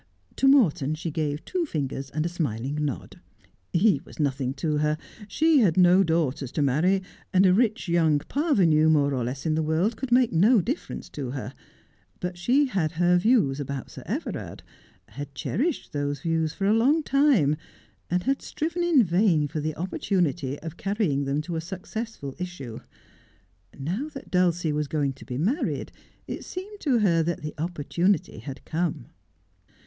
To Morton she gave two fingers and a smiling nod. He was nothing to her. She had no daughters to marry, and a rich young parvenu more or less in the world could make no difference to her. But she had her views about Sir Everard — had cherished those views for a long time, and had striven in vain for the opportunity of carrying them to a successful issue. Now that Dulcie was going to be married it seemed to .her that the opportunity had come.